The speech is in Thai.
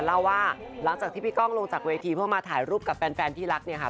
เล่าว่าหลังจากที่พี่ก้องลงจากเวทีเพื่อมาถ่ายรูปกับแฟนที่รักเนี่ยค่ะ